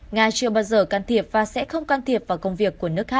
nga chưa bao giờ can thiệp và sẽ không can thiệp vào công việc của nước khác